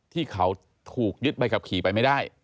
ที่เขาถูกยึดใบขับขี่ไปไม่ได้